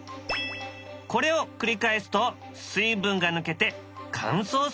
これを繰り返すと水分が抜けて乾燥するというわけだ。